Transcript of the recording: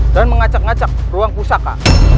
dan mengacak ngacak ruang kusaka